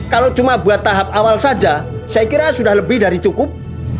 kalau cuma buat tahap awal saja saya kira sudah lebih dari cukup